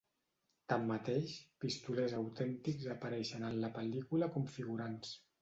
Tanmateix, pistolers autèntics apareixen en la pel·lícula com figurants.